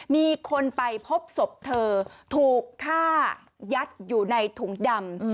มีคนไปพบศพเธอถูกฆ่ายัดอยู่ในถุงดำ